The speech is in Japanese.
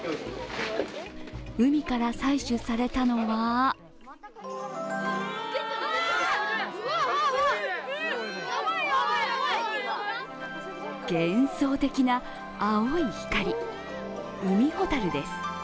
海から採取されたのは幻想的な青い光、ウミホタルです